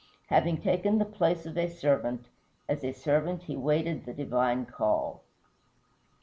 Having taken the place of a servant, as a servant he waited the divine call.